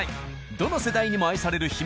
どの世代にも愛される秘密